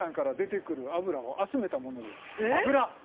油？